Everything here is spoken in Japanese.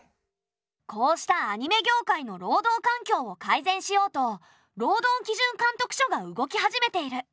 こうしたアニメ業界の労働環境を改善しようと労働基準監督署が動き始めている。